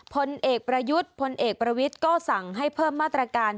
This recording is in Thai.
พลเอกประยุทธ์พลเอกประวิทย์ก็สั่งให้เพิ่มมาตรการ